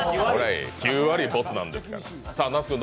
９割ボツなんですから。